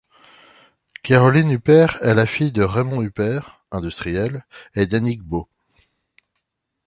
Caroline Huppert est la fille de Raymond Huppert, industriel, et d'Annick Beau.